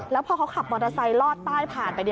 แล้วพอเขาขับมอเตอร์ไซค์ลอดใต้ผ่านไป